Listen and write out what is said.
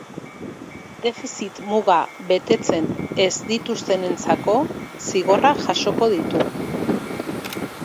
Defizit-muga betetzen ez dituztenentzako zigorrak jasoko ditu.